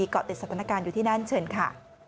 เกาะติดสถานการณ์อยู่ที่นั่นเชิญค่ะ